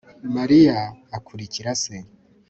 Mariya akurikira se